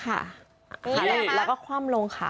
แล้วก็คว่ำลงค่ะ